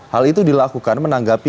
hal itu dilakukan menanggapkan